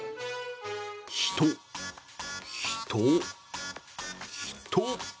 人、人、人。